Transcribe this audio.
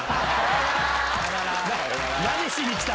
何しに来た？